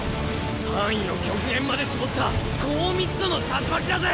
範囲を極限まで絞った高密度の竜巻だぜ。